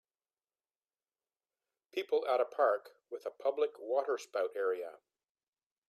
People at a park with a public waterspout area